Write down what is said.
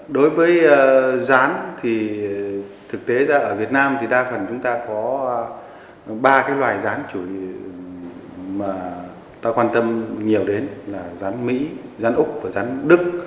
đối với rán thì thực tế ra ở việt nam thì đa phần chúng ta có ba loài rán chủ yếu mà ta quan tâm nhiều đến là rán mỹ rán úc và rán đức